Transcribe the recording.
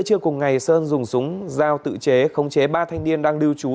trước cùng ngày sơn dùng súng dao tự chế không chế ba thanh niên đang lưu trú